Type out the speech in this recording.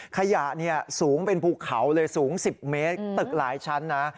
ขยะสูงเป็นภูเขาเลยสูง๑๐เมตรตึกหลายชั้นนะ